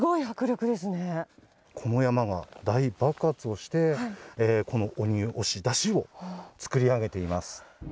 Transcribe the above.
この山が大爆発をしてこの鬼押出しをつくり上げています。